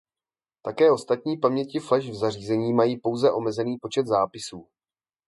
Také ostatní paměti flash v zařízení mají pouze omezený počet zápisů.